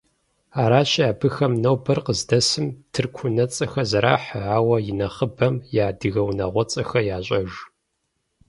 Аращи, абыхэм нобэр къыздэсым тырку унэцӏэхэр зэрахьэ, ауэ инэхъыбэм я адыгэ унагъуэцӏэхэр ящӏэж.